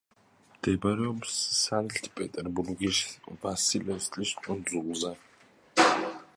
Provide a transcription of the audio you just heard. მდებარეობს სანქტ-პეტერბურგის ვასილევსკის კუნძულზე.